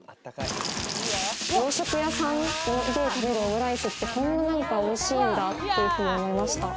洋食屋さんで食べるオムライスってこんなにおいしいんだっていうふうに思いました。